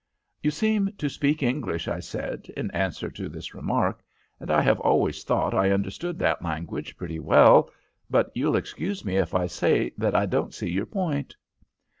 "'You seem to speak English,' I said, in answer to this remark, 'and I have always thought I understood that language pretty well, but you'll excuse me if I say that I don't see your point.'